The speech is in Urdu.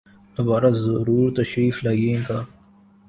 دوبارہ ضرور تشریف لائیئے گا